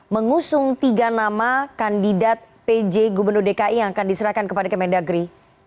mengusung tiga nama kandidat pj gubernur dki yang akan diserahkan kepada kemendagri